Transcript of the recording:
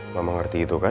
mama ngerti itu kan